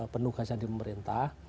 penugasan di pemerintah